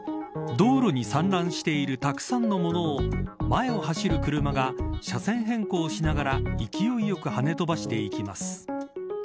道路に散乱しているたくさんのものを前を走る車が車線変更しながら勢いよくはね飛ばしていきます。